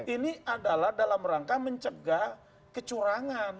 ini adalah dalam rangka mencegah kecurangan